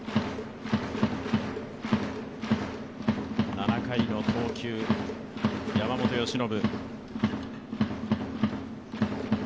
７回の投球、山本由伸。